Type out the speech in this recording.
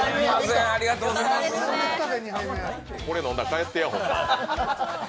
これ飲んだら帰ってや、ほんま。